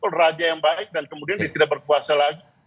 kalau raja yang baik dan kemudian dia tidak berkuasa lagi